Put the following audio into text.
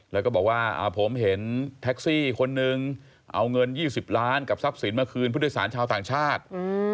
แล้วก็บอกว่าผมเห็นแท็กซี่คนนึงเอาเงิน๒๐ล้านกับทรัพย์สินมาคืนผู้โดยสารชาวต่างชาติ